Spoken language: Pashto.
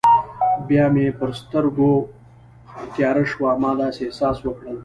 بیا مې پر سترګو تیاره شوه، ما داسې احساس وکړل.